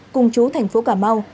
cùng chú thành phố cà mau